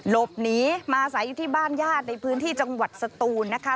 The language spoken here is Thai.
หลบหนีมาใส่อยู่ที่บ้านญาติในพื้นที่จังหวัดสตูนนะคะ